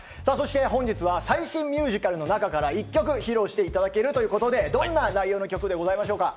本日は最新ミュージカルの中から１曲披露していただけるということで、どんな内容の曲ですか？